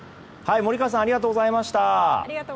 森川さんありがとうございました。